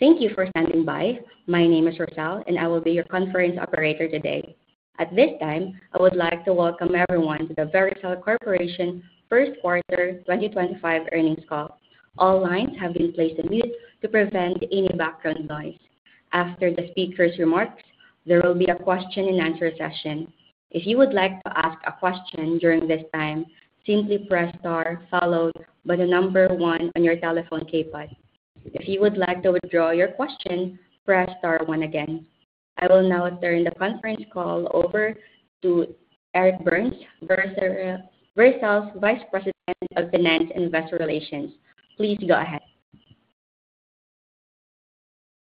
Thank you for standing by. My name is Roselle, and I will be your conference operator today. At this time, I would like to welcome everyone to the Vericel Corporation First Quarter 2025 earnings call. All lines have been placed on mute to prevent any background noise. After the speaker's remarks, there will be a question-and-answer session. If you would like to ask a question during this time, simply press star followed by the number one on your telephone keypad. If you would like to withdraw your question, press star one again. I will now turn the conference call over to Eric Burns, Vericel's Vice President of Finance and Investor Relations. Please go ahead.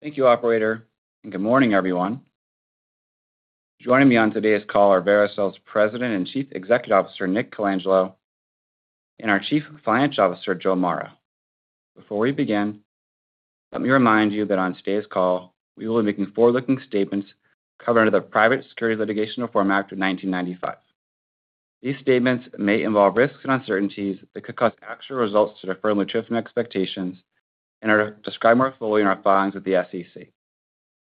Thank you, Operator. Good morning, everyone. Joining me on today's call are Vericel's President and Chief Executive Officer, Nick Colangelo, and our Chief Financial Officer, Joe Mara. Before we begin, let me remind you that on today's call, we will be making forward-looking statements covered under the Private Securities Litigation Reform Act of 1995. These statements may involve risks and uncertainties that could cause actual results to differ and let you from expectations and are described more fully in our filings with the SEC.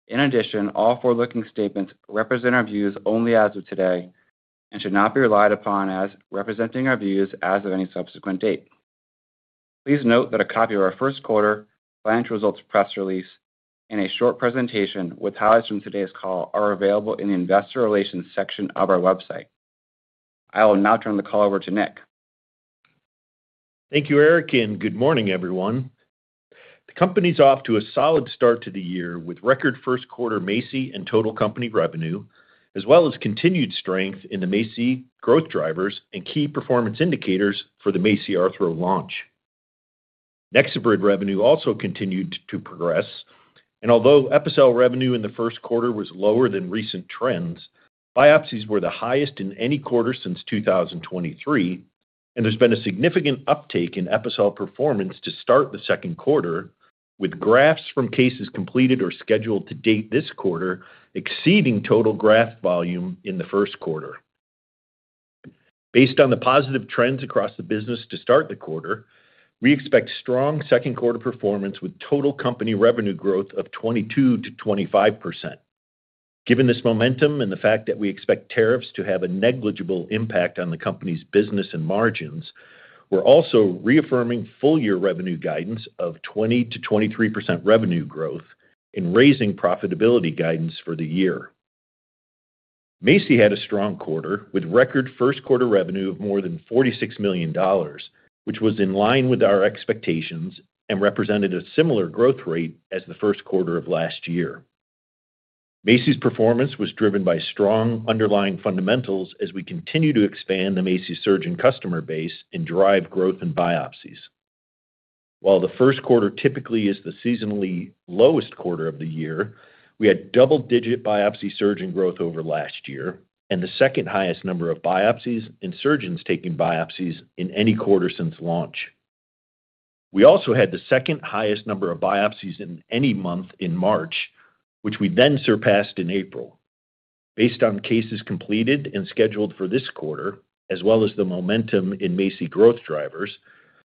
In addition, all forward-looking statements represent our views only as of today and should not be relied upon as representing our views as of any subsequent date. Please note that a copy of our First Quarter Financial Results Press Release and a short presentation with highlights from today's call are available in the Investor Relations section of our website. I will now turn the call over to Nick. Thank you, Eric, and good morning, everyone. The company's off to a solid start to the year with record first quarter MACI and total company revenue, as well as continued strength in the MACI growth drivers and key performance indicators for the MACI Arthro launch. NexoBrid revenue also continued to progress, and although Epicel revenue in the first quarter was lower than recent trends, biopsies were the highest in any quarter since 2023, and there's been a significant uptake in Epicel performance to start the second quarter, with grafts from cases completed or scheduled to date this quarter exceeding total graft volume in the first quarter. Based on the positive trends across the business to start the quarter, we expect strong second quarter performance with total company revenue growth of 22%-25%. Given this momentum and the fact that we expect tariffs to have a negligible impact on the company's business and margins, we're also reaffirming full year revenue guidance of 20%-23% revenue growth and raising profitability guidance for the year. MACI had a strong quarter with record first quarter revenue of more than $46 million, which was in line with our expectations and represented a similar growth rate as the first quarter of last year. MACI's performance was driven by strong underlying fundamentals as we continue to expand the MACI surge in customer base and drive growth in biopsies. While the first quarter typically is the seasonally lowest quarter of the year, we had double-digit biopsy surge in growth over last year and the second highest number of biopsies and surgeons taking biopsies in any quarter since launch. We also had the second highest number of biopsies in any month in March, which we then surpassed in April. Based on cases completed and scheduled for this quarter, as well as the momentum in MACI growth drivers,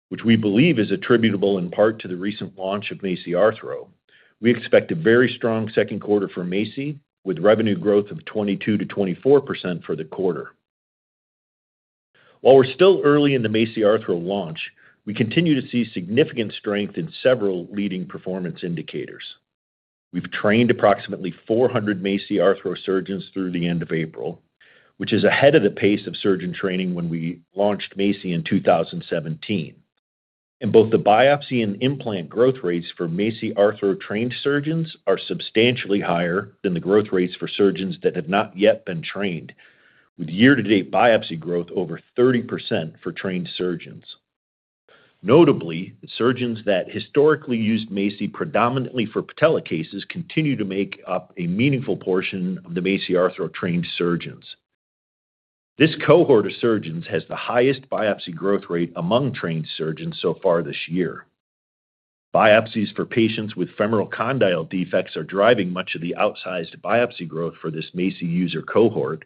which we believe is attributable in part to the recent launch of MACI Arthro, we expect a very strong second quarter for MACI with revenue growth of 22%-24% for the quarter. While we're still early in the MACI Arthro launch, we continue to see significant strength in several leading performance indicators. We've trained approximately 400 MACI Arthro surgeons through the end of April, which is ahead of the pace of surgeon training when we launched MACI in 2017. Both the biopsy and implant growth rates for MACI Arthro trained surgeons are substantially higher than the growth rates for surgeons that have not yet been trained, with year-to-date biopsy growth over 30% for trained surgeons. Notably, surgeons that historically used MACI predominantly for patella cases continue to make up a meaningful portion of the MACI Arthro trained surgeons. This cohort of surgeons has the highest biopsy growth rate among trained surgeons so far this year. Biopsies for patients with femoral condyle defects are driving much of the outsized biopsy growth for this MACI user cohort,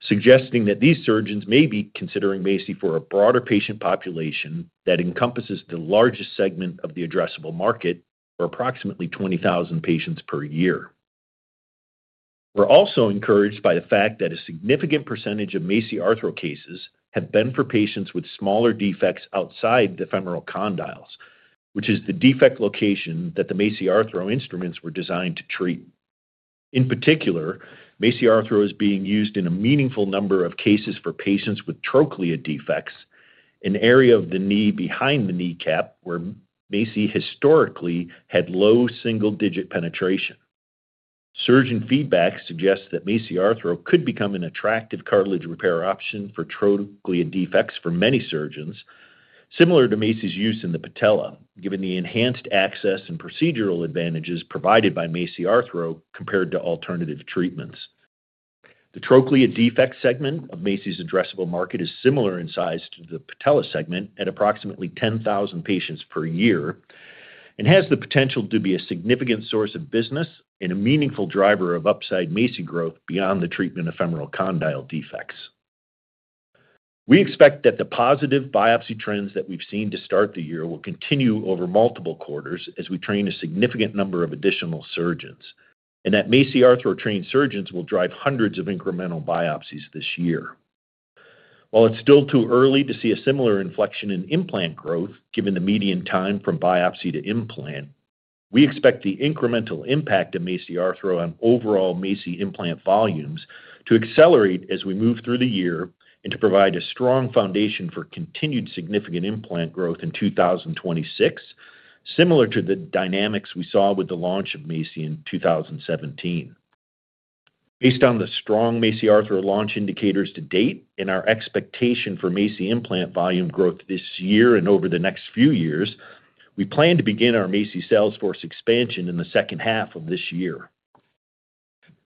suggesting that these surgeons may be considering MACI for a broader patient population that encompasses the largest segment of the addressable market, or approximately 20,000 patients per year. We're also encouraged by the fact that a significant percentage of MACI Arthro cases have been for patients with smaller defects outside the femoral condyles, which is the defect location that the MACI Arthro instruments were designed to treat. In particular, MACI Arthro is being used in a meaningful number of cases for patients with trochlear defects, an area of the knee behind the kneecap where MACI historically had low single-digit penetration. Surgeon feedback suggests that MACI Arthro could become an attractive cartilage repair option for trochlear defects for many surgeons, similar to MACI's use in the patella, given the enhanced access and procedural advantages provided by MACI Arthro compared to alternative treatments. The trochlear defect segment of MACI's addressable market is similar in size to the patella segment at approximately 10,000 patients per year and has the potential to be a significant source of business and a meaningful driver of upside MACI growth beyond the treatment of femoral condyle defects. We expect that the positive biopsy trends that we've seen to start the year will continue over multiple quarters as we train a significant number of additional surgeons and that MACI Arthro trained surgeons will drive hundreds of incremental biopsies this year. While it's still too early to see a similar inflection in implant growth, given the median time from biopsy to implant, we expect the incremental impact of MACI Arthro on overall MACI implant volumes to accelerate as we move through the year and to provide a strong foundation for continued significant implant growth in 2026, similar to the dynamics we saw with the launch of MACI in 2017. Based on the strong MACI Arthro launch indicators to date and our expectation for MACI implant volume growth this year and over the next few years, we plan to begin our MACI Salesforce expansion in the second half of this year.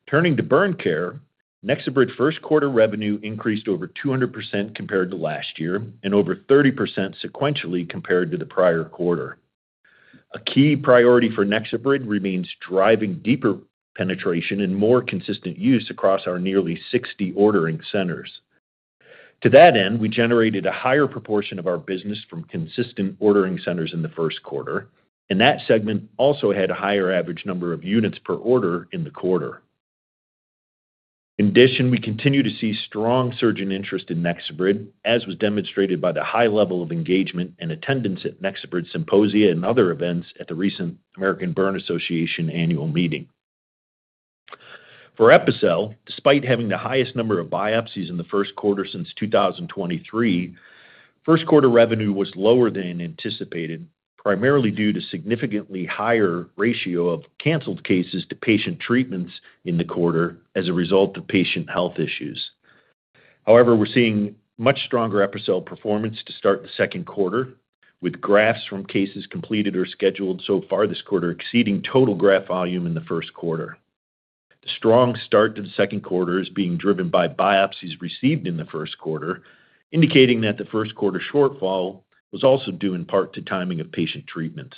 Turning to burn care, NexoBrid's first quarter revenue increased over 200% compared to last year and over 30% sequentially compared to the prior quarter. A key priority for NexoBrid remains driving deeper penetration and more consistent use across our nearly 60 ordering centers. To that end, we generated a higher proportion of our business from consistent ordering centers in the first quarter, and that segment also had a higher average number of units per order in the quarter. In addition, we continue to see strong surge in interest in NexoBrid, as was demonstrated by the high level of engagement and attendance at NexoBrid symposia and other events at the recent American Burn Association annual meeting. For Epicel, despite having the highest number of biopsies in the first quarter since 2023, first quarter revenue was lower than anticipated, primarily due to a significantly higher ratio of canceled cases to patient treatments in the quarter as a result of patient health issues. However, we're seeing much stronger Epicel performance to start the second quarter, with grafts from cases completed or scheduled so far this quarter exceeding total graft volume in the first quarter. The strong start to the second quarter is being driven by biopsies received in the first quarter, indicating that the first quarter shortfall was also due in part to timing of patient treatments.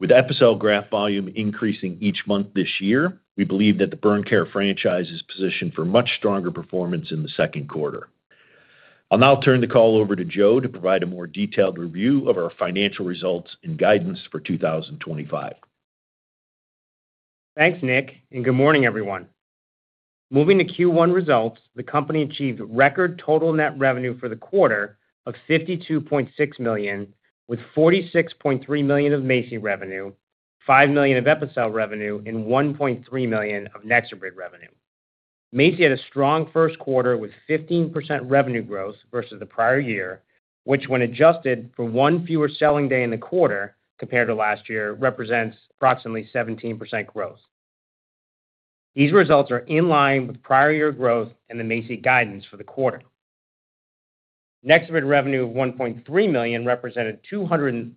With Epicel graft volume increasing each month this year, we believe that the burn care franchise is positioned for much stronger performance in the second quarter. I'll now turn the call over to Joe to provide a more detailed review of our financial results and guidance for 2025. Thanks, Nick, and good morning, everyone. Moving to Q1 results, the company achieved record total net revenue for the quarter of $52.6 million, with $46.3 million of MACI revenue, $5 million of Epicel revenue, and $1.3 million of NexoBrid revenue. MACI had a strong first quarter with 15% revenue growth versus the prior year, which, when adjusted for one fewer selling day in the quarter compared to last year, represents approximately 17% growth. These results are in line with prior year growth and the MACI guidance for the quarter. NexoBrid revenue of $1.3 million represented 207%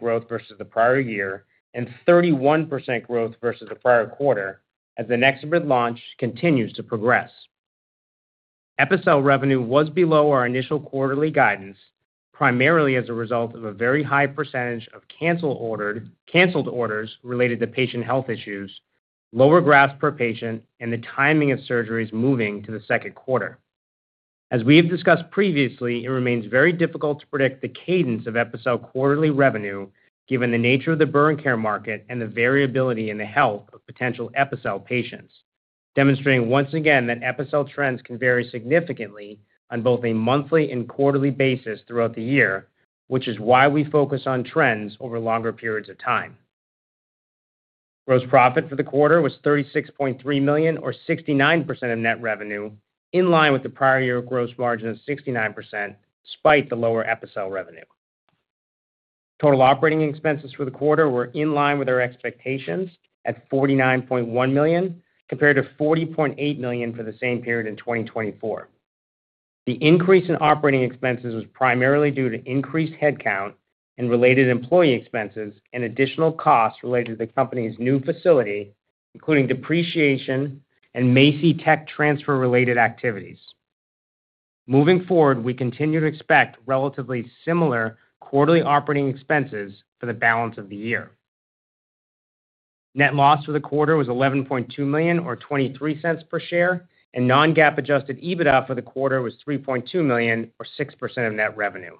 growth versus the prior year and 31% growth versus the prior quarter, as the NexoBrid launch continues to progress. Epicel revenue was below our initial quarterly guidance, primarily as a result of a very high percentage of canceled orders related to patient health issues, lower grafts per patient, and the timing of surgeries moving to the second quarter. As we have discussed previously, it remains very difficult to predict the cadence of Epicel quarterly revenue, given the nature of the burn care market and the variability in the health of potential Epicel patients, demonstrating once again that Epicel trends can vary significantly on both a monthly and quarterly basis throughout the year, which is why we focus on trends over longer periods of time. Gross profit for the quarter was $36.3 million, or 69% of net revenue, in line with the prior year gross margin of 69%, despite the lower Epicel revenue. Total operating expenses for the quarter were in line with our expectations at $49.1 million compared to $40.8 million for the same period in 2024. The increase in operating expenses was primarily due to increased headcount and related employee expenses and additional costs related to the company's new facility, including depreciation and MACI tech transfer-related activities. Moving forward, we continue to expect relatively similar quarterly operating expenses for the balance of the year. Net loss for the quarter was $11.2 million, or $0.23 per share, and non-GAAP adjusted EBITDA for the quarter was $3.2 million, or 6% of net revenue.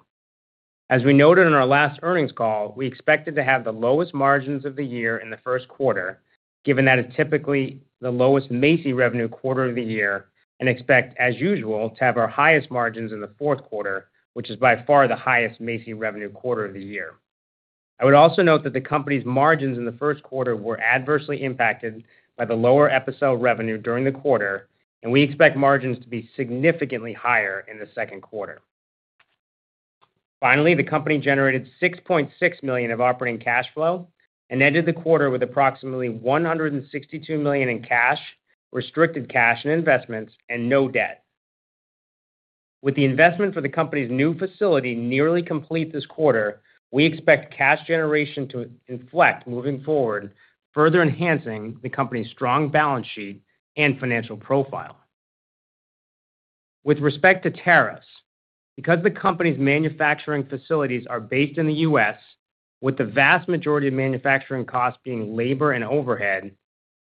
As we noted in our last earnings call, we expected to have the lowest margins of the year in the first quarter, given that it's typically the lowest MACI revenue quarter of the year, and expect, as usual, to have our highest margins in the fourth quarter, which is by far the highest MACI revenue quarter of the year. I would also note that the company's margins in the first quarter were adversely impacted by the lower Epicel revenue during the quarter, and we expect margins to be significantly higher in the second quarter. Finally, the company generated $6.6 million of operating cash flow and ended the quarter with approximately $162 million in cash, restricted cash and investments, and no debt. With the investment for the company's new facility nearly complete this quarter, we expect cash generation to inflect moving forward, further enhancing the company's strong balance sheet and financial profile. With respect to tariffs, because the company's manufacturing facilities are based in the U.S., with the vast majority of manufacturing costs being labor and overhead,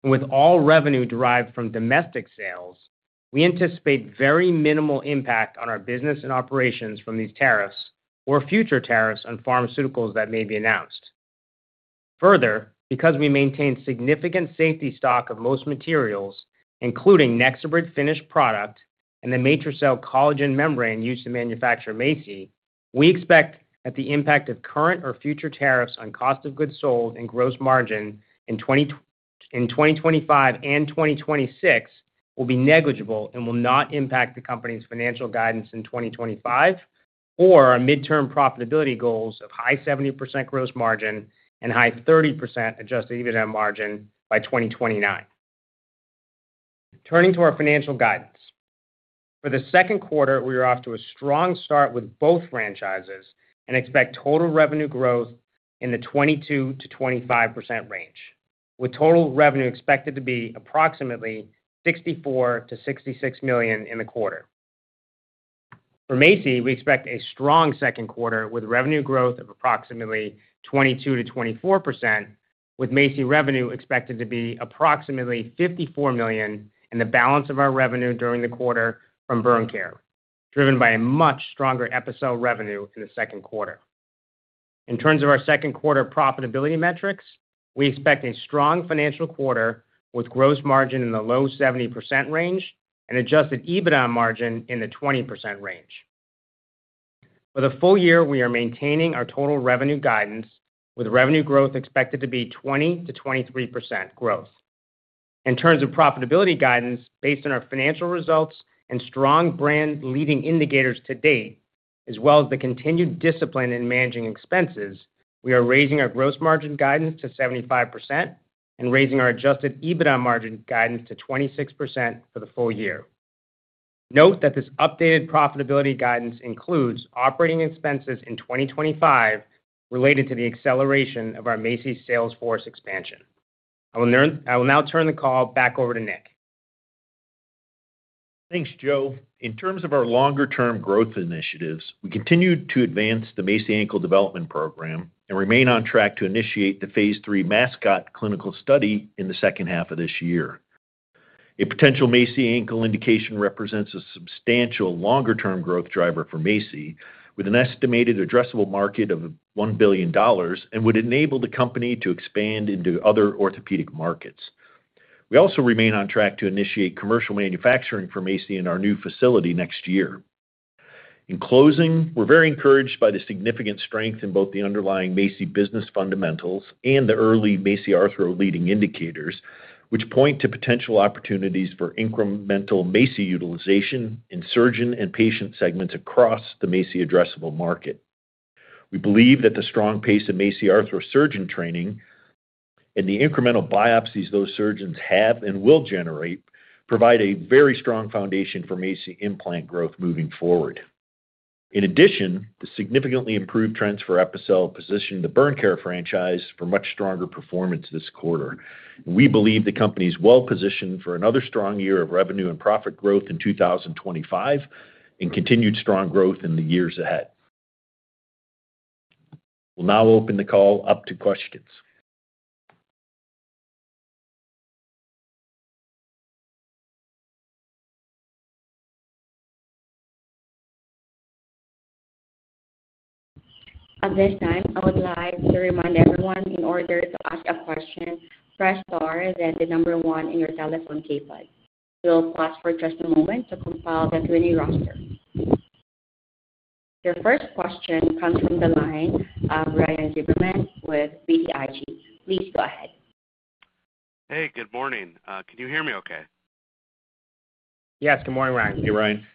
and with all revenue derived from domestic sales, we anticipate very minimal impact on our business and operations from these tariffs or future tariffs on pharmaceuticals that may be announced. Further, because we maintain significant safety stock of most materials, including NexoBrid finished product and the Matricel collagen membrane used to manufacture MACI, we expect that the impact of current or future tariffs on cost of goods sold and gross margin in 2025 and 2026 will be negligible and will not impact the company's financial guidance in 2025 or our midterm profitability goals of high 70% gross margin and high 30% adjusted EBITDA margin by 2029. Turning to our financial guidance, for the second quarter, we are off to a strong start with both franchises and expect total revenue growth in the 22%-25% range, with total revenue expected to be approximately $64-$66 million in the quarter. For MACI, we expect a strong second quarter with revenue growth of approximately 22%-24%, with MACI revenue expected to be approximately $54 million and the balance of our revenue during the quarter from burn care, driven by a much stronger Epicel revenue in the second quarter. In terms of our second quarter profitability metrics, we expect a strong financial quarter with gross margin in the low 70% range and adjusted EBITDA margin in the 20% range. For the full year, we are maintaining our total revenue guidance, with revenue growth expected to be 20%-23% growth. In terms of profitability guidance, based on our financial results and strong brand leading indicators to date, as well as the continued discipline in managing expenses, we are raising our gross margin guidance to 75% and raising our adjusted EBITDA margin guidance to 26% for the full year. Note that this updated profitability guidance includes operating expenses in 2025 related to the acceleration of our MACI Salesforce expansion. I will now turn the call back over to Nick. Thanks, Joe. In terms of our longer-term growth initiatives, we continue to advance the MACI Ankle development program and remain on track to initiate the phase III MASCOT clinical study in the second half of this year. A potential MACI Ankle indication represents a substantial longer-term growth driver for MACI, with an estimated addressable market of $1 billion and would enable the company to expand into other orthopedic markets. We also remain on track to initiate commercial manufacturing for MACI in our new facility next year. In closing, we're very encouraged by the significant strength in both the underlying MACI business fundamentals and the early MACI Arthro leading indicators, which point to potential opportunities for incremental MACI utilization in surgeon and patient segments across the MACI addressable market. We believe that the strong pace of MACI Arthro surgeon training and the incremental biopsies those surgeons have and will generate provide a very strong foundation for MACI implant growth moving forward. In addition, the significantly improved trends for Epicel position the burn care franchise for much stronger performance this quarter. We believe the company is well positioned for another strong year of revenue and profit growth in 2025 and continued strong growth in the years ahead. We'll now open the call up to questions. At this time, I would like to remind everyone in order to ask a question, press star and then the number one on your telephone keypad. We'll pause for just a moment to compile the Q&A roster. Your first question comes from the line of Ryan Zimmerman with BTIG. Please go ahead. Hey, good morning. Can you hear me okay? Yes, good morning, Ryan. Hey, Ryan.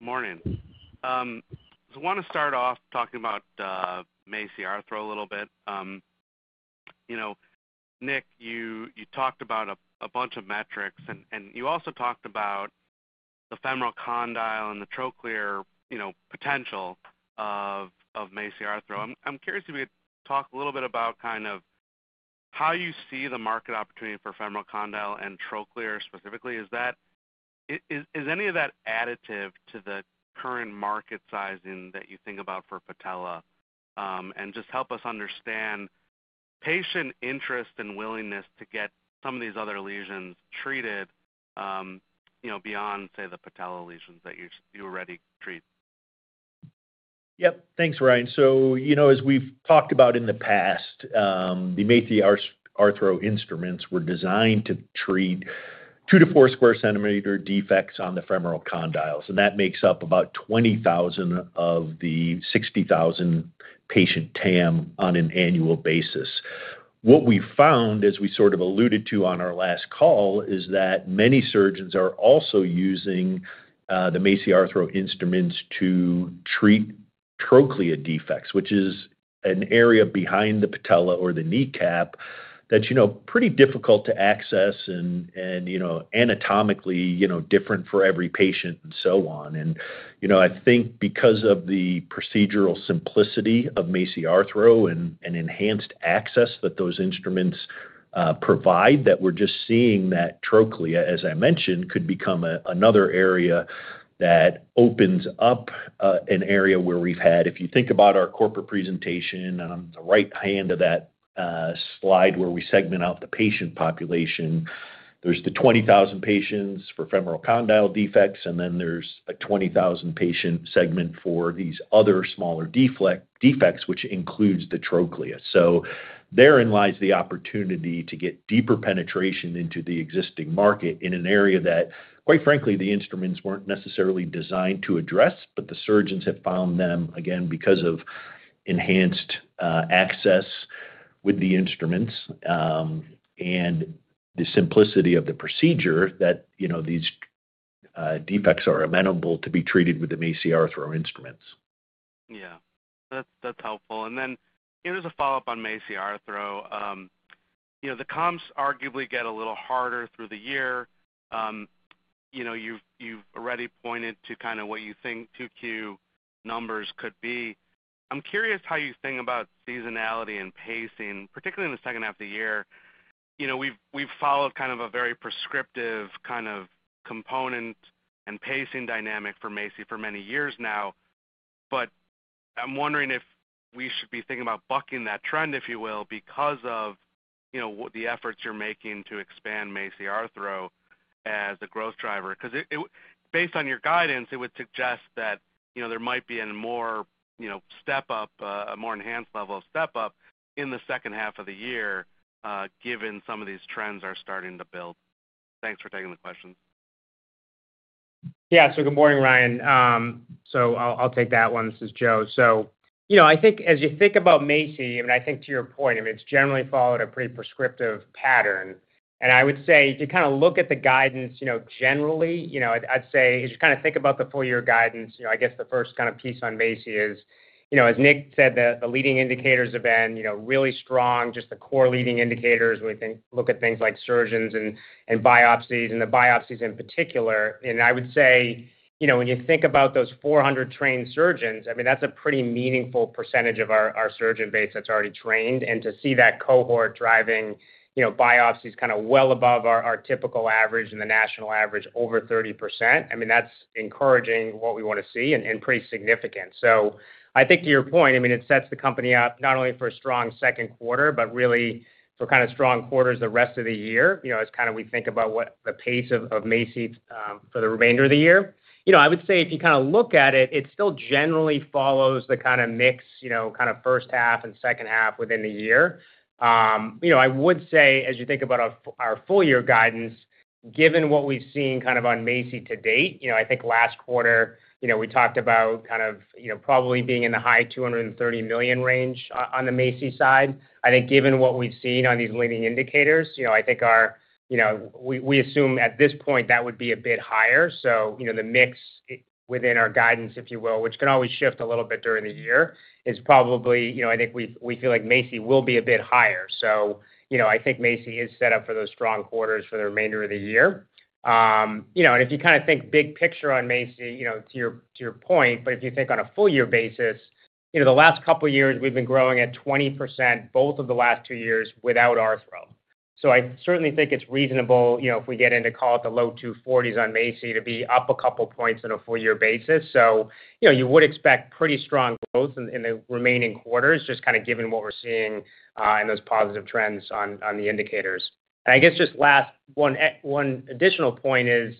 Good morning. I want to start off talking about MACI Arthro a little bit. You know, Nick, you talked about a bunch of metrics, and you also talked about the femoral condyle and the trochlear potential of MACI Arthro. I'm curious if you could talk a little bit about kind of how you see the market opportunity for femoral condyle and trochlear specifically. Is any of that additive to the current market sizing that you think about for patella? And just help us understand patient interest and willingness to get some of these other lesions treated beyond, say, the patella lesions that you already treat. Yep, thanks, Ryan. You know, as we've talked about in the past, the MACI Arthro instruments were designed to treat 2-4 sq cm defects on the femoral condyles. That makes up about 20,000 of the 60,000 patient TAM on an annual basis. What we found, as we sort of alluded to on our last call, is that many surgeons are also using the MACI Arthro instruments to treat trochlear defects, which is an area behind the patella or the kneecap that's pretty difficult to access and anatomically different for every patient and so on. I think because of the procedural simplicity of MACI Arthro and enhanced access that those instruments provide, we're just seeing that trochlea, as I mentioned, could become another area that opens up an area where we've had, if you think about our corporate presentation, on the right hand of that slide where we segment out the patient population, there's the 20,000 patients for femoral condyle defects, and then there's a 20,000-patient segment for these other smaller defects, which includes the trochlea. Therein lies the opportunity to get deeper penetration into the existing market in an area that, quite frankly, the instruments weren't necessarily designed to address, but the surgeons have found them, again, because of enhanced access with the instruments and the simplicity of the procedure that these defects are amenable to be treated with the MACI Arthro instruments. Yeah, that's helpful. Here's a follow-up on MACI Arthro. The comps arguably get a little harder through the year. You've already pointed to kind of what you think QQ numbers could be. I'm curious how you think about seasonality and pacing, particularly in the second half of the year. We've followed kind of a very prescriptive kind of component and pacing dynamic for MACI for many years now, but I'm wondering if we should be thinking about bucking that trend, if you will, because of the efforts you're making to expand MACI Arthro as a growth driver. Because based on your guidance, it would suggest that there might be a more step-up, a more enhanced level of step-up in the second half of the year given some of these trends are starting to build. Thanks for taking the questions. Yeah, so good morning, Ryan. I'll take that one. This is Joe. I think as you think about MACI, to your point, it's generally followed a pretty prescriptive pattern. I would say to kind of look at the guidance generally, as you kind of think about the full year guidance, I guess the first kind of piece on MACI is, as Nick said, the leading indicators have been really strong, just the core leading indicators. We think, look at things like surgeons and biopsies, and the biopsies in particular. I would say when you think about those 400 trained surgeons, that's a pretty meaningful percentage of our surgeon base that's already trained. To see that cohort driving biopsies kind of well above our typical average and the national average over 30%, I mean, that's encouraging, what we want to see and pretty significant. I think to your point, I mean, it sets the company up not only for a strong second quarter, but really for kind of strong quarters the rest of the year as kind of we think about what the pace of MACI for the remainder of the year. I would say if you kind of look at it, it still generally follows the kind of mix kind of first half and second half within the year. I would say as you think about our full year guidance, given what we've seen kind of on MACI to date, I think last quarter we talked about kind of probably being in the high $230 million range on the MACI side. I think given what we've seen on these leading indicators, I think we assume at this point that would be a bit higher. The mix within our guidance, if you will, which can always shift a little bit during the year, is probably I think we feel like MACI will be a bit higher. I think MACI is set up for those strong quarters for the remainder of the year. If you kind of think big picture on MACI, to your point, but if you think on a full year basis, the last couple of years we've been growing at 20% both of the last two years without Arthro. I certainly think it's reasonable if we get into, call it, the low 240s on MACI to be up a couple of points on a full year basis. You would expect pretty strong growth in the remaining quarters just kind of given what we're seeing and those positive trends on the indicators. I guess just last one additional point is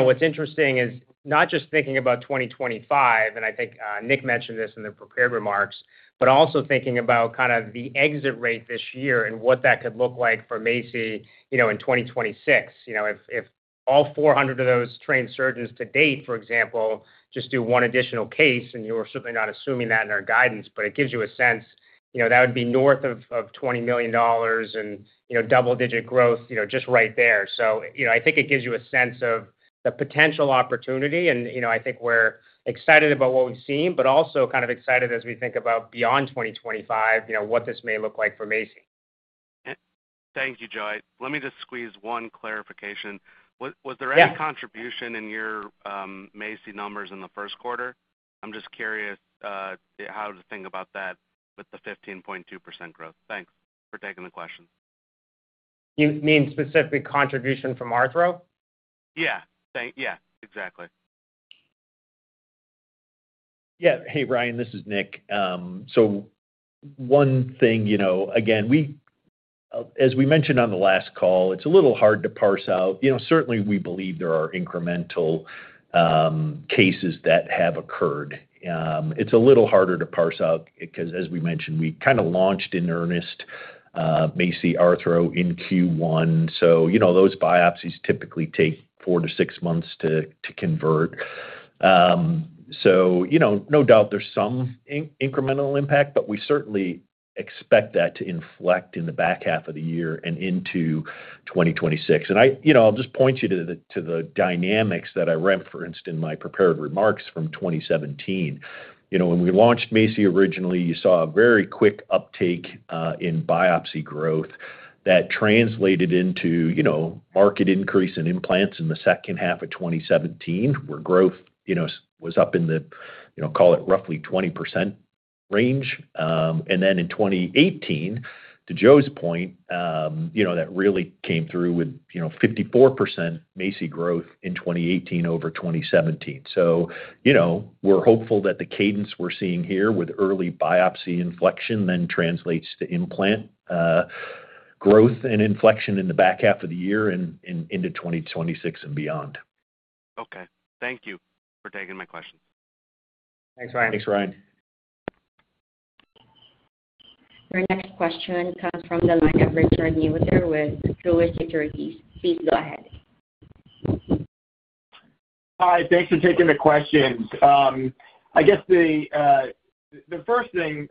what's interesting is not just thinking about 2025, and I think Nick mentioned this in the prepared remarks, but also thinking about kind of the exit rate this year and what that could look like for MACI in 2026. If all 400 of those trained surgeons to date, for example, just do one additional case, and we're certainly not assuming that in our guidance, but it gives you a sense that would be north of $20 million and double-digit growth just right there. I think it gives you a sense of the potential opportunity. I think we're excited about what we've seen, but also kind of excited as we think about beyond 2025 what this may look like for MACI. Thank you, Joe. Let me just squeeze one clarification. Was there any contribution in your MACI numbers in the first quarter? I'm just curious how to think about that with the 15.2% growth. Thanks for taking the question. You mean specific contribution from Arthro? Yeah. Yeah, exactly. Yeah. Hey, Ryan, this is Nick. One thing, again, as we mentioned on the last call, it's a little hard to parse out. Certainly, we believe there are incremental cases that have occurred. It's a little harder to parse out because, as we mentioned, we kind of launched in earnest MACI Arthro in Q1. Those biopsies typically take four to six months to convert. No doubt there's some incremental impact, but we certainly expect that to inflect in the back half of the year and into 2026. I'll just point you to the dynamics that I referenced in my prepared remarks from 2017. When we launched MACI originally, you saw a very quick uptake in biopsy growth that translated into market increase in implants in the second half of 2017 where growth was up in the, call it roughly 20% range. In 2018, to Joe's point, that really came through with 54% MACI growth in 2018 over 2017. We are hopeful that the cadence we are seeing here with early biopsy inflection then translates to implant growth and inflection in the back half of the year and into 2026 and beyond. Okay. Thank you for taking my questions. Thanks, Ryan. Thanks, Ryan. Your next question comes from the line of Richard Newitter with Truist Securities. Please go ahead. Hi. Thanks for taking the questions. I guess the first thing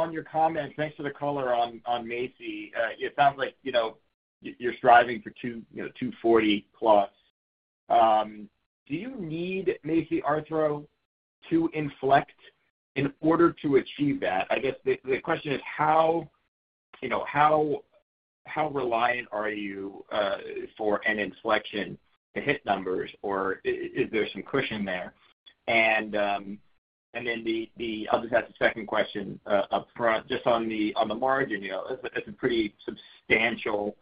on your comment, thanks for the color on MACI, it sounds like you're striving for 240+. Do you need MACI Arthro to inflect in order to achieve that? I guess the question is how reliant are you for an inflection to hit numbers, or is there some cushion there? I'll just ask a second question up front. Just on the margin, it's a pretty substantial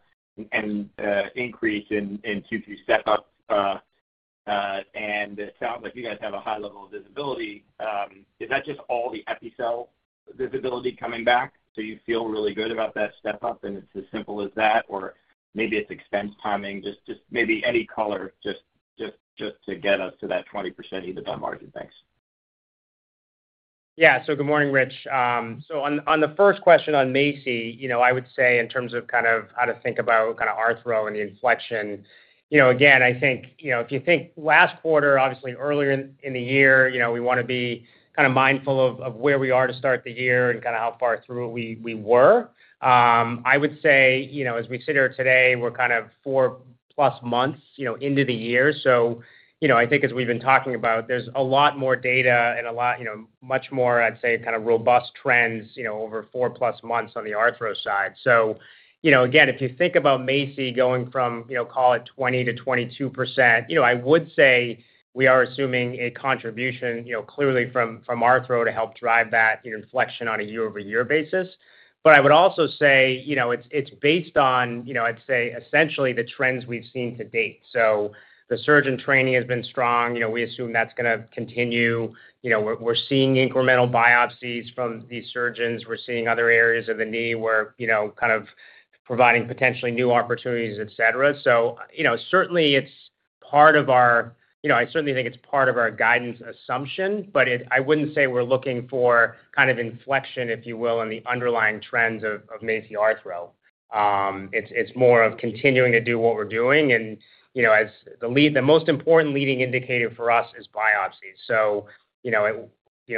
increase in QQ step-up, and it sounds like you guys have a high level of visibility. Is that just all the Epicel visibility coming back? You feel really good about that step-up, and it's as simple as that, or maybe it's expense timing, just maybe any color just to get us to that 20% EBITDA margin. Thanks. Yeah. Good morning, Rich. On the first question on MACI, I would say in terms of kind of how to think about kind of Arthro and the inflection, again, I think if you think last quarter, obviously earlier in the year, we want to be kind of mindful of where we are to start the year and kind of how far through we were. I would say as we sit here today, we're kind of four-plus months into the year. I think as we've been talking about, there's a lot more data and a lot much more, I'd say, kind of robust trends over four-plus months on the Arthro side. Again, if you think about MACI going from, call it 20%-22%, I would say we are assuming a contribution clearly from Arthro to help drive that inflection on a year-over-year basis. I would also say it's based on, I'd say, essentially the trends we've seen to date. The surgeon training has been strong. We assume that's going to continue. We're seeing incremental biopsies from these surgeons. We're seeing other areas of the knee where kind of providing potentially new opportunities, etc. Certainly, it's part of our, I certainly think it's part of our guidance assumption, but I wouldn't say we're looking for kind of inflection, if you will, in the underlying trends of MACI Arthro. It's more of continuing to do what we're doing. The most important leading indicator for us is biopsies.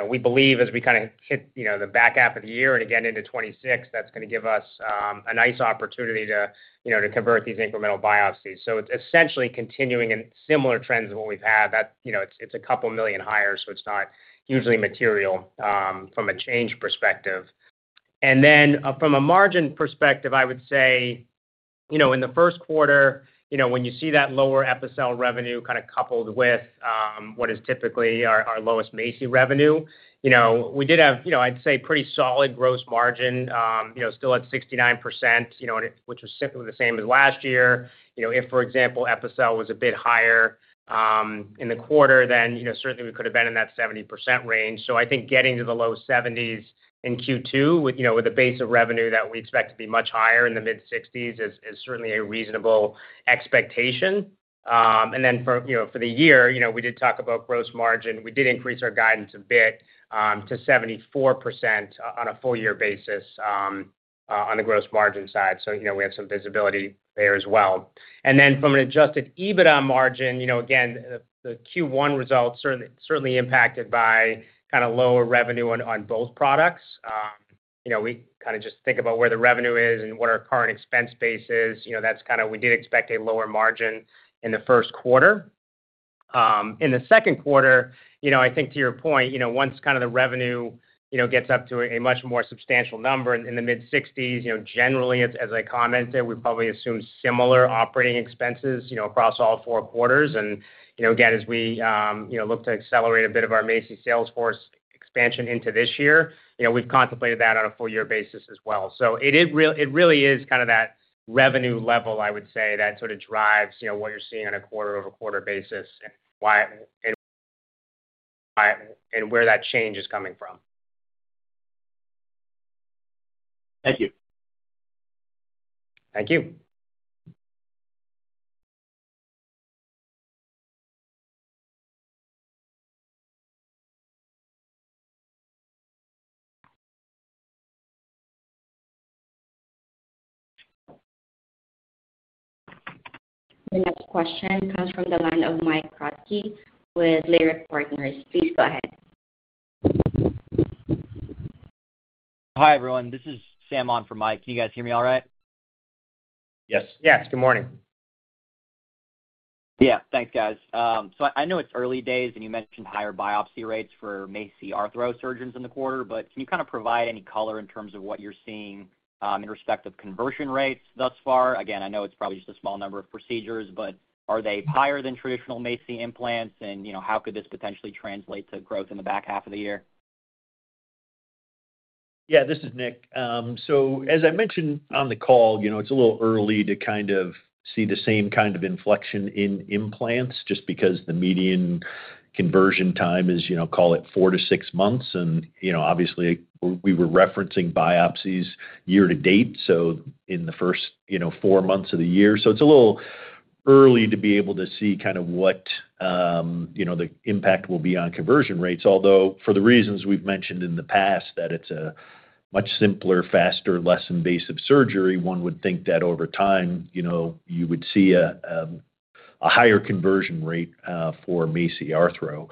We believe as we kind of hit the back half of the year and again into 2026, that's going to give us a nice opportunity to convert these incremental biopsies. It's essentially continuing in similar trends of what we've had. It's a couple million higher, so it's not hugely material from a change perspective. From a margin perspective, I would say in the first quarter, when you see that lower Epicel revenue kind of coupled with what is typically our lowest MACI revenue, we did have, I'd say, pretty solid gross margin, still at 69%, which was simply the same as last year. If, for example, Epicel was a bit higher in the quarter, then certainly we could have been in that 70% range. I think getting to the low 70% in Q2 with a base of revenue that we expect to be much higher in the mid-60% is certainly a reasonable expectation. For the year, we did talk about gross margin. We did increase our guidance a bit to 74% on a full year basis on the gross margin side. We have some visibility there as well. Then from an adjusted EBITDA margin, again, the Q1 results were certainly impacted by kind of lower revenue on both products. We kind of just think about where the revenue is and what our current expense base is. That is kind of why we did expect a lower margin in the first quarter. In the second quarter, I think to your point, once kind of the revenue gets up to a much more substantial number in the mid-60s, generally, as I commented, we probably assume similar operating expenses across all four quarters. Again, as we look to accelerate a bit of our MACI Salesforce expansion into this year, we have contemplated that on a full year basis as well. It really is kind of that revenue level, I would say, that sort of drives what you're seeing on a quarter-over-quarter basis and where that change is coming from. Thank you. Thank you. The next question comes from the line of Mike Kratky with Leerink Partners. Please go ahead. Hi, everyone. This is Sam on for Mike. Can you guys hear me all right? Yes. Yes. Good morning. Yeah. Thanks, guys. I know it's early days, and you mentioned higher biopsy rates for MACI Arthro surgeons in the quarter, but can you kind of provide any color in terms of what you're seeing in respect of conversion rates thus far? Again, I know it's probably just a small number of procedures, but are they higher than traditional MACI implants, and how could this potentially translate to growth in the back half of the year? Yeah. This is Nick. As I mentioned on the call, it's a little early to kind of see the same kind of inflection in implants just because the median conversion time is, call it four to six months. Obviously, we were referencing biopsies year to date, so in the first four months of the year. It's a little early to be able to see kind of what the impact will be on conversion rates. Although for the reasons we've mentioned in the past that it's a much simpler, faster, less invasive surgery, one would think that over time you would see a higher conversion rate for MACI Arthro.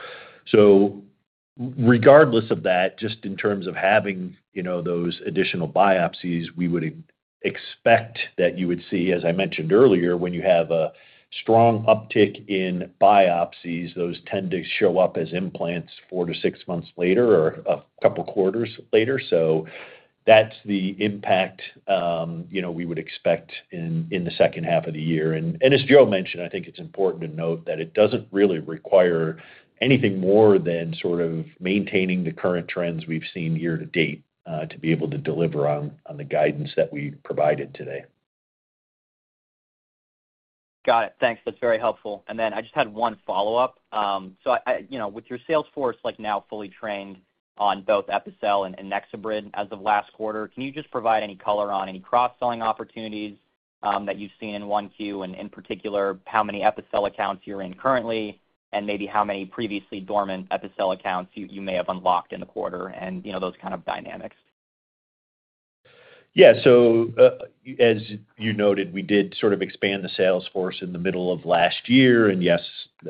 Regardless of that, just in terms of having those additional biopsies, we would expect that you would see, as I mentioned earlier, when you have a strong uptick in biopsies, those tend to show up as implants four to six months later or a couple of quarters later. That is the impact we would expect in the second half of the year. As Joe mentioned, I think it is important to note that it does not really require anything more than sort of maintaining the current trends we have seen year to date to be able to deliver on the guidance that we provided today. Got it. Thanks. That's very helpful. I just had one follow-up. With your Salesforce now fully trained on both Epicel and NexoBrid as of last quarter, can you just provide any color on any cross-selling opportunities that you've seen in Q1 and in particular how many Epicel accounts you're in currently and maybe how many previously dormant Epicel accounts you may have unlocked in the quarter and those kind of dynamics? Yeah. As you noted, we did sort of expand the Salesforce in the middle of last year, and yes,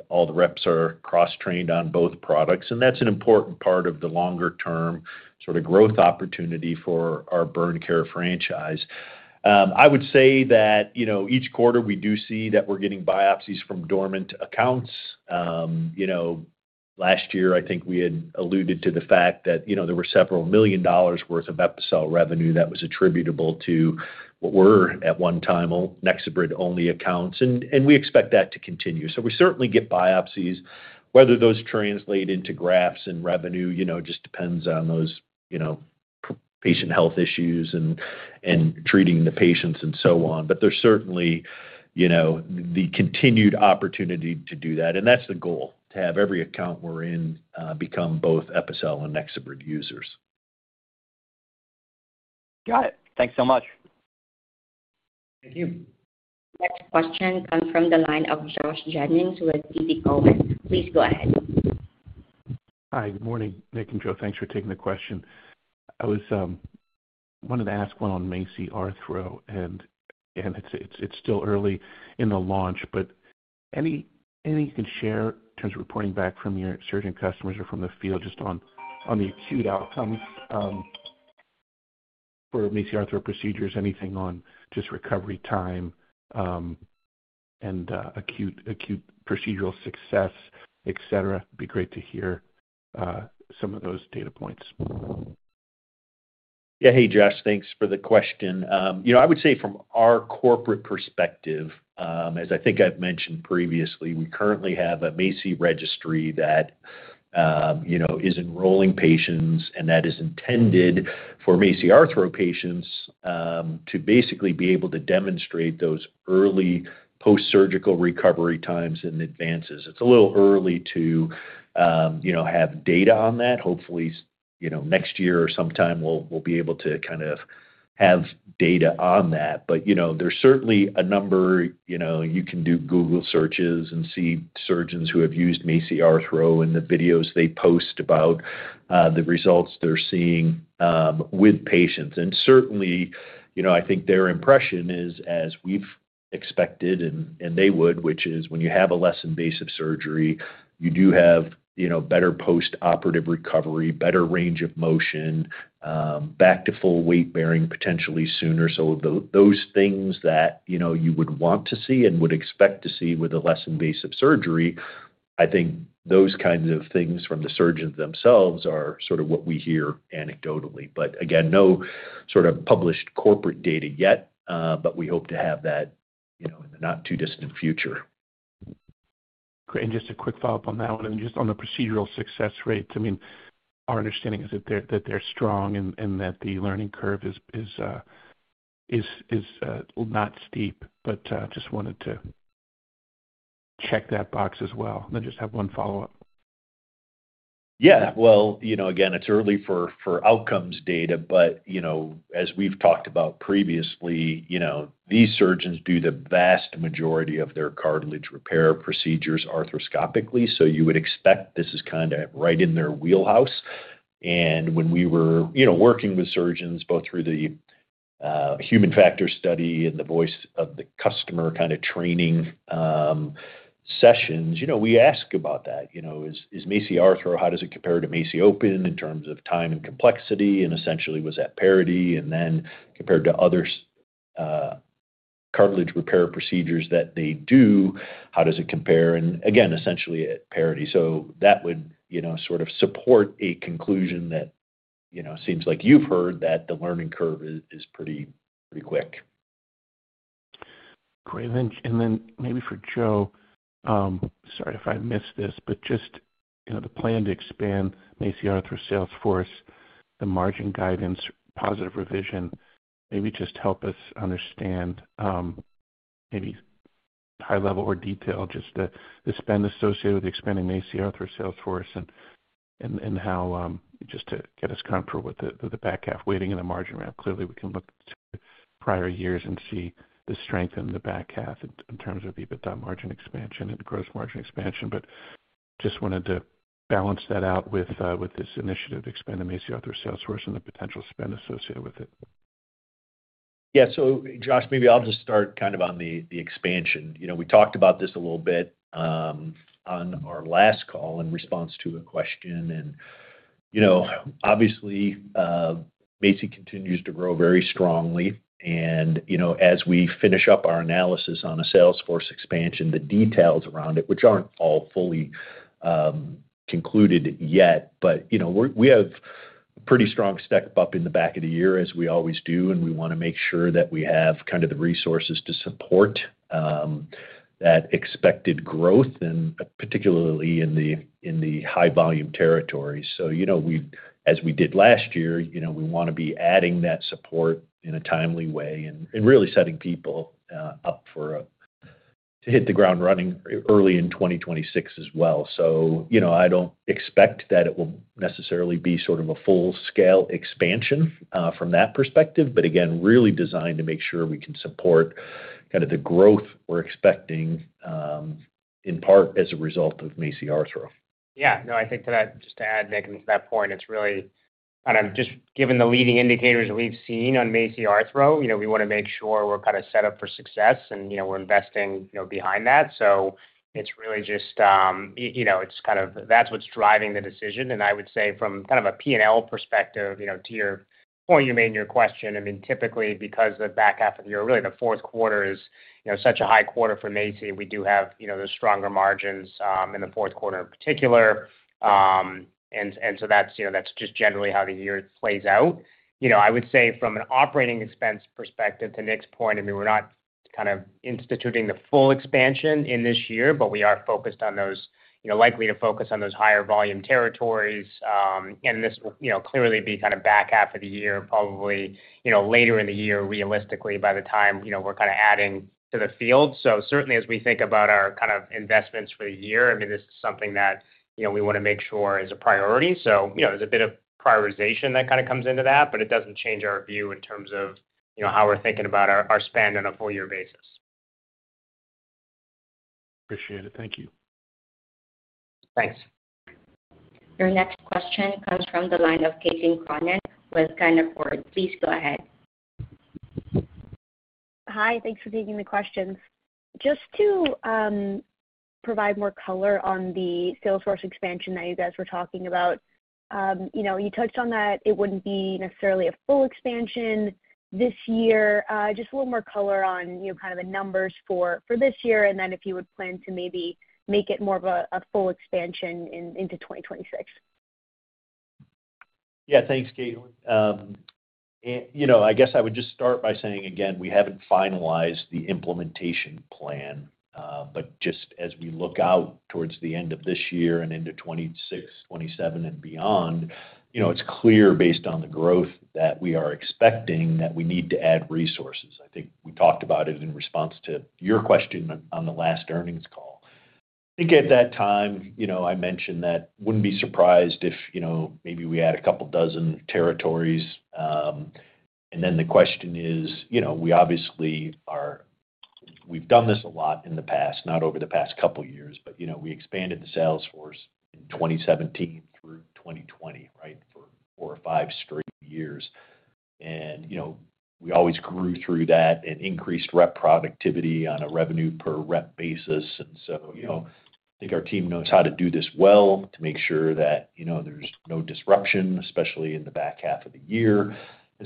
all the reps are cross-trained on both products. That's an important part of the longer-term sort of growth opportunity for our Burn Care franchise. I would say that each quarter we do see that we're getting biopsies from dormant accounts. Last year, I think we had alluded to the fact that there were several million dollars' worth of Epicel revenue that was attributable to what were at one time NexoBrid-only accounts. We expect that to continue. We certainly get biopsies. Whether those translate into grafts and revenue just depends on those patient health issues and treating the patients and so on. There's certainly the continued opportunity to do that. That's the goal, to have every account we're in become both Epicel and NexoBrid users. Got it. Thanks so much. Thank you. Next question comes from the line of Josh Jennings with TD Cowen. Please go ahead. Hi. Good morning, Nick and Joe. Thanks for taking the question. I was wanting to ask one on MACI Arthro, and it's still early in the launch, but anything you can share in terms of reporting back from your surgeon customers or from the field just on the acute outcomes for MACI Arthro procedures, anything on just recovery time and acute procedural success, etc. It'd be great to hear some of those data points. Yeah. Hey, Josh. Thanks for the question. I would say from our corporate perspective, as I think I've mentioned previously, we currently have a MACI registry that is enrolling patients, and that is intended for MACI Arthro patients to basically be able to demonstrate those early post-surgical recovery times and advances. It's a little early to have data on that. Hopefully, next year or sometime, we'll be able to kind of have data on that. There is certainly a number you can do Google searches and see surgeons who have used MACI Arthro in the videos they post about the results they're seeing with patients. Certainly, I think their impression is, as we've expected and they would, which is when you have a less invasive surgery, you do have better post-operative recovery, better range of motion, back to full weight-bearing potentially sooner. Those things that you would want to see and would expect to see with a less invasive surgery, I think those kinds of things from the surgeons themselves are sort of what we hear anecdotally. Again, no sort of published corporate data yet, but we hope to have that in the not-too-distant future. Great. Just a quick follow-up on that one. Just on the procedural success rates, I mean, our understanding is that they're strong and that the learning curve is not steep, but just wanted to check that box as well. I just have one follow-up. Yeah. Again, it's early for outcomes data, but as we've talked about previously, these surgeons do the vast majority of their cartilage repair procedures arthroscopically. You would expect this is kind of right in their wheelhouse. When we were working with surgeons, both through the human factor study and the voice of the customer kind of training sessions, we ask about that. Is MACI Arthro, how does it compare to MACI Open in terms of time and complexity? Essentially, was that parity? Then compared to other cartilage repair procedures that they do, how does it compare? Again, essentially at parity. That would sort of support a conclusion that seems like you've heard that the learning curve is pretty quick. Great. Maybe for Joe, sorry if I missed this, but just the plan to expand MACI Arthro Salesforce, the margin guidance, positive revision, maybe just help us understand maybe high-level or detail just the spend associated with expanding MACI Arthro Salesforce and how just to get us comfortable with the back half waiting in the margin route. Clearly, we can look to prior years and see the strength in the back half in terms of EBITDA margin expansion and gross margin expansion. Just wanted to balance that out with this initiative to expand the MACI Arthro Salesforce and the potential spend associated with it. Yeah. Josh, maybe I'll just start kind of on the expansion. We talked about this a little bit on our last call in response to a question. Obviously, MACI continues to grow very strongly. As we finish up our analysis on a Salesforce expansion, the details around it, which are not all fully concluded yet, we have a pretty strong step up in the back of the year, as we always do. We want to make sure that we have the resources to support that expected growth, particularly in the high-volume territories. As we did last year, we want to be adding that support in a timely way and really setting people up to hit the ground running early in 2026 as well. I don't expect that it will necessarily be sort of a full-scale expansion from that perspective, but again, really designed to make sure we can support kind of the growth we're expecting in part as a result of MACI Arthro. Yeah. No, I think just to add, Nick, and to that point, it's really kind of just given the leading indicators we've seen on MACI Arthro, we want to make sure we're kind of set up for success, and we're investing behind that. It's really just it's kind of that's what's driving the decision. I would say from kind of a P&L perspective, to your point you made in your question, I mean, typically, because the back half of the year, really the fourth quarter is such a high quarter for MACI, we do have those stronger margins in the fourth quarter in particular. That's just generally how the year plays out. I would say from an operating expense perspective, to Nick's point, I mean, we're not kind of instituting the full expansion in this year, but we are focused on those likely to focus on those higher-volume territories. This will clearly be kind of back half of the year, probably later in the year, realistically, by the time we're kind of adding to the field. Certainly, as we think about our kind of investments for the year, I mean, this is something that we want to make sure is a priority. There is a bit of prioritization that kind of comes into that, but it doesn't change our view in terms of how we're thinking about our spend on a four-year basis. Appreciate it. Thank you. Thanks. Your next question comes from the line of Caitlin Cronin with Canaccord. Please go ahead. Hi. Thanks for taking the questions. Just to provide more color on the Salesforce expansion that you guys were talking about, you touched on that it wouldn't be necessarily a full expansion this year. Just a little more color on kind of the numbers for this year and then if you would plan to maybe make it more of a full expansion into 2026. Yeah. Thanks, Caitlin. I guess I would just start by saying, again, we have not finalized the implementation plan. Just as we look out towards the end of this year and into 2026, 2027, and beyond, it is clear based on the growth that we are expecting that we need to add resources. I think we talked about it in response to your question on the last earnings call. I think at that time, I mentioned that I would not be surprised if maybe we add a couple dozen territories. The question is, we obviously are, we have done this a lot in the past, not over the past couple of years, but we expanded the Salesforce in 2017 through 2020, right, for four or five straight years. We always grew through that and increased rep productivity on a revenue-per-rep basis. I think our team knows how to do this well to make sure that there's no disruption, especially in the back half of the year.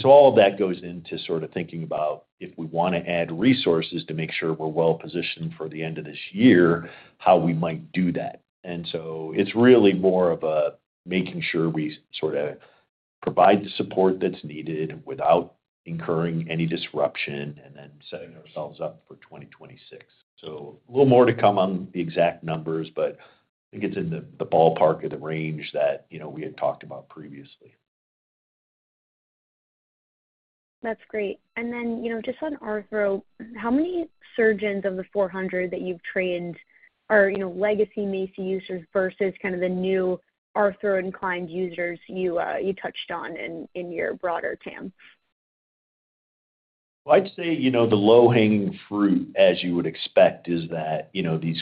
All of that goes into sort of thinking about if we want to add resources to make sure we're well-positioned for the end of this year, how we might do that. It's really more of a making sure we sort of provide the support that's needed without incurring any disruption and then setting ourselves up for 2026. A little more to come on the exact numbers, but I think it's in the ballpark of the range that we had talked about previously. That's great. Just on Arthro, how many surgeons of the 400 that you've trained are legacy MACI users versus kind of the new Arthro-inclined users you touched on in your broader TAM? I'd say the low-hanging fruit, as you would expect, is that these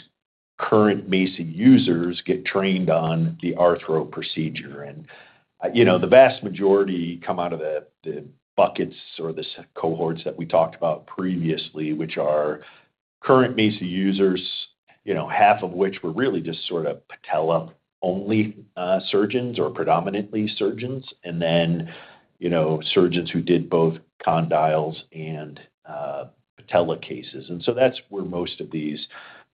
current MACI users get trained on the Arthro procedure. The vast majority come out of the buckets or the cohorts that we talked about previously, which are current MACI users, half of which were really just sort of patella-only surgeons or predominantly surgeons, and then surgeons who did both condyles and patella cases. That is where most of these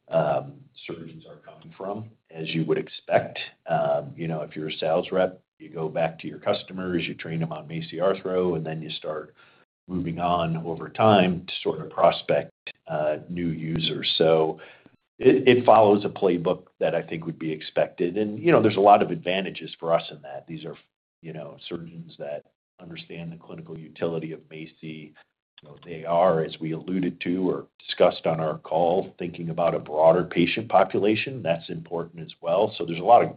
surgeons are coming from, as you would expect. If you're a sales rep, you go back to your customers, you train them on MACI Arthro, and then you start moving on over time to sort of prospect new users. It follows a playbook that I think would be expected. There are a lot of advantages for us in that. These are surgeons that understand the clinical utility of MACI. They are, as we alluded to or discussed on our call, thinking about a broader patient population. That's important as well. There's a lot of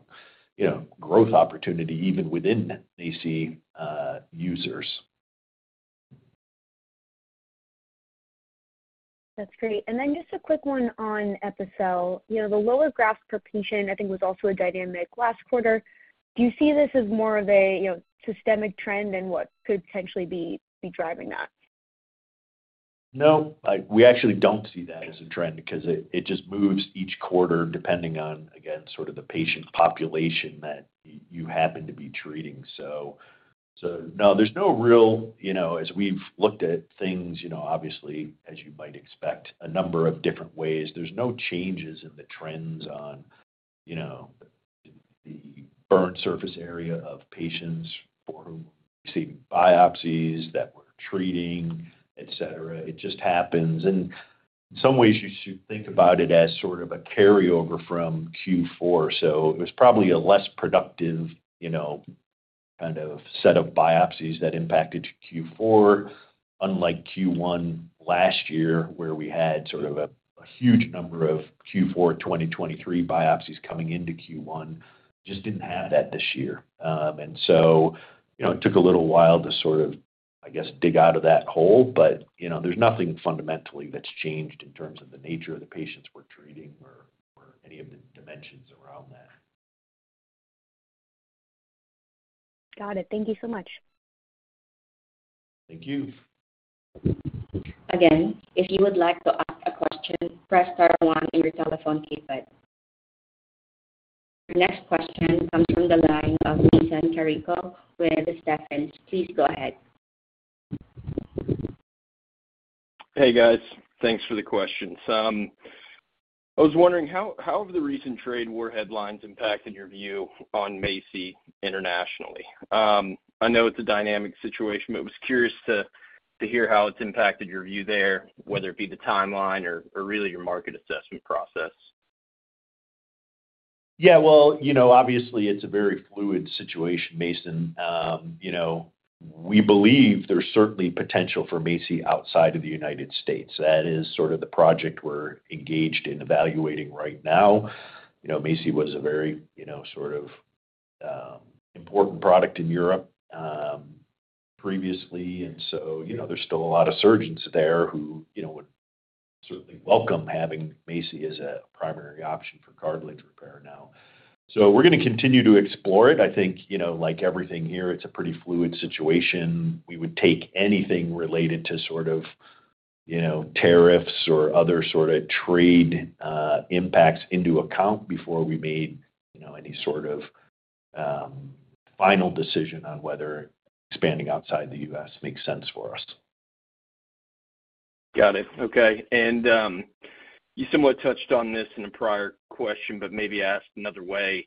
growth opportunity even within MACI users. That's great. And then just a quick one on Epicel. The lower grafts per patient, I think, was also a dynamic last quarter. Do you see this as more of a systemic trend and what could potentially be driving that? No, we actually don't see that as a trend because it just moves each quarter depending on, again, sort of the patient population that you happen to be treating. No, there's no real, as we've looked at things, obviously, as you might expect, a number of different ways. There's no changes in the trends on the burn surface area of patients for whom we're receiving biopsies that we're treating, etc. It just happens. In some ways, you should think about it as sort of a carryover from Q4. It was probably a less productive kind of set of biopsies that impacted Q4, unlike Q1 last year where we had sort of a huge number of Q4 2023 biopsies coming into Q1. Just didn't have that this year. It took a little while to sort of, I guess, dig out of that hole, but there's nothing fundamentally that's changed in terms of the nature of the patients we're treating or any of the dimensions around that. Got it. Thank you so much. Thank you. Again, if you would like to ask a question, press star one on your telephone keypad. Your next question comes from the line of Mason Carrico with Stephens. Please go ahead. Hey, guys. Thanks for the question. I was wondering how have the recent trade war headlines impacted your view on MACI internationally? I know it's a dynamic situation, but I was curious to hear how it's impacted your view there, whether it be the timeline or really your market assessment process. Yeah. Obviously, it's a very fluid situation, Mason. We believe there's certainly potential for MACI outside of the United States. That is sort of the project we're engaged in evaluating right now. MACI was a very sort of important product in Europe previously. There are still a lot of surgeons there who would certainly welcome having MACI as a primary option for cartilage repair now. We're going to continue to explore it. I think like everything here, it's a pretty fluid situation. We would take anything related to tariffs or other trade impacts into account before we made any final decision on whether expanding outside the U.S. makes sense for us. Got it. Okay. You somewhat touched on this in a prior question, but maybe asked another way.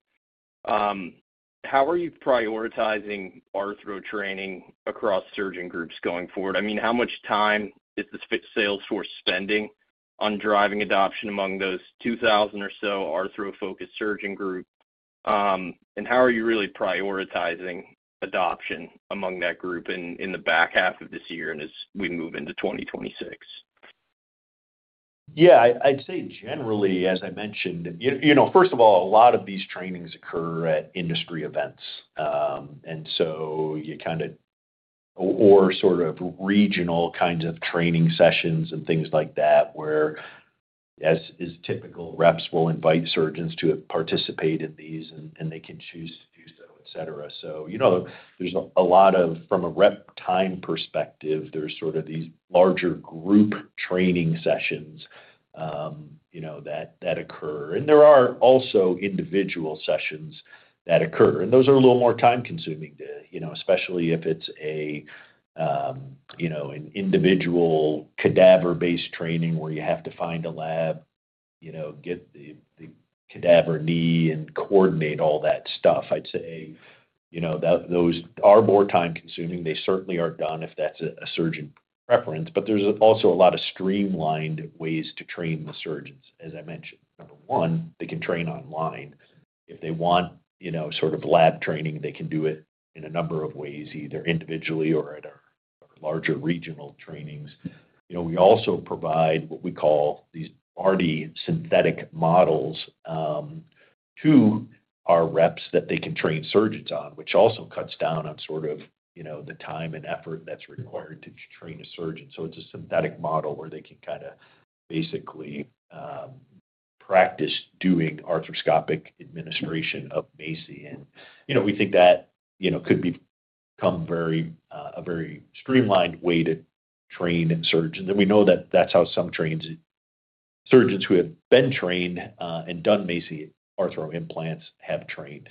How are you prioritizing Arthro training across surgeon groups going forward? I mean, how much time is the Salesforce spending on driving adoption among those 2,000 or so Arthro-focused surgeon groups? How are you really prioritizing adoption among that group in the back half of this year and as we move into 2026? Yeah. I'd say generally, as I mentioned, first of all, a lot of these trainings occur at industry events. You kind of or sort of regional kinds of training sessions and things like that where, as is typical, reps will invite surgeons to participate in these, and they can choose to do so, etc. There's a lot of, from a rep time perspective, these larger group training sessions that occur. There are also individual sessions that occur. Those are a little more time-consuming, especially if it's an individual cadaver-based training where you have to find a lab, get the cadaver knee, and coordinate all that stuff. I'd say those are more time-consuming. They certainly are done if that's a surgeon preference. There's also a lot of streamlined ways to train the surgeons. As I mentioned, number one, they can train online. If they want sort of lab training, they can do it in a number of ways, either individually or at our larger regional trainings. We also provide what we call these RD synthetic models to our reps that they can train surgeons on, which also cuts down on sort of the time and effort that's required to train a surgeon. It is a synthetic model where they can kind of basically practice doing arthroscopic administration of MACI. We think that could become a very streamlined way to train surgeons. We know that that's how some surgeons who have been trained and done MACI Arthro implants have trained.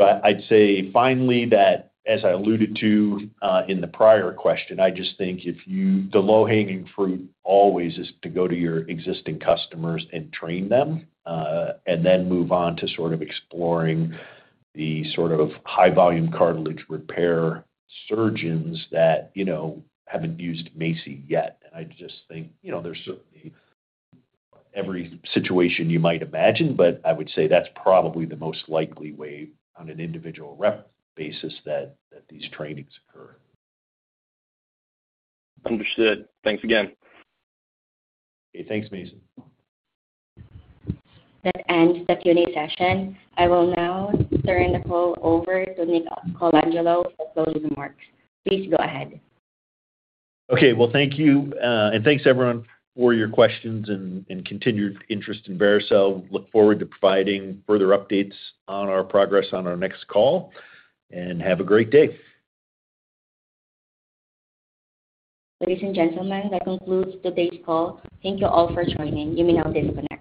I'd say finally that, as I alluded to in the prior question, I just think the low-hanging fruit always is to go to your existing customers and train them and then move on to sort of exploring the sort of high-volume cartilage repair surgeons that haven't used MACI yet. I just think there's certainly every situation you might imagine, but I would say that's probably the most likely way on an individual rep basis that these trainings occur. Understood. Thanks again. Okay. Thanks, Mason. That ends the Q&A session. I will now turn the call over to Nick Colangelo for closing remarks. Please go ahead. Okay. Thank you. And thanks, everyone, for your questions and continued interest in Vericel. Look forward to providing further updates on our progress on our next call. Have a great day. Ladies and gentlemen, that concludes today's call. Thank you all for joining. You may now disconnect.